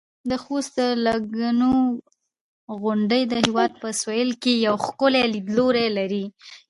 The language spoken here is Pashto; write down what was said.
د خوست د لکڼو غونډۍ د هېواد په سویل کې یو ښکلی لیدلوری لري.